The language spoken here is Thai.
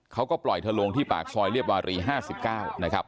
เขาก็ปล่อยเธอลงที่ปากซอยเรียบวารี๕๙นะครับ